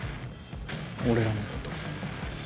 俺らのこと。